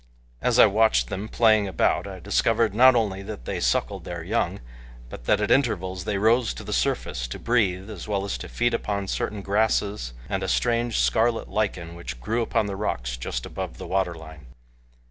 As I watched them playing about I discovered, not only that they suckled their young, but that at intervals they rose to the surface to breathe as well as to feed upon certain grasses and a strange, scarlet lichen which grew upon the rocks just above the water line.